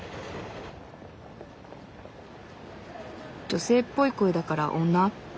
女性っぽい声だから女？